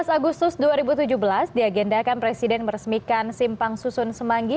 tujuh belas agustus dua ribu tujuh belas diagendakan presiden meresmikan simpang susun semanggi